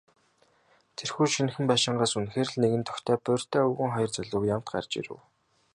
Тэрхүү шинэхэн байшингаас үнэхээр л нэгэн тохитой буурьтай өвгөн, хоёр залуугийн хамт гарч ирэв.